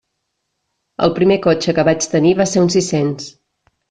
El primer cotxe que vaig tenir va ser un sis-cents.